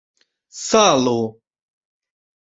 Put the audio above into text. salo